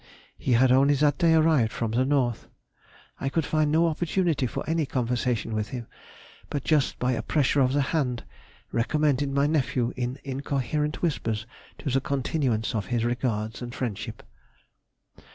He had only that day arrived from the North. I could find no opportunity for any conversation with him, but just by a pressure of the hand recommended my nephew in incoherent whispers to the continuance of his regards and friendship.